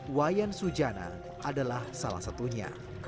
wayan sujana adalah salah satunya